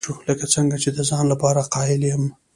لکه څنګه چې د ځان لپاره قایل یم.